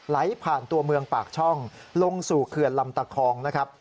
ไหลผ่านตัวเมืองปากช่องลงสู่เขื่อนลำตะคองนะครับ